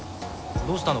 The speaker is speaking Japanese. どうしたの？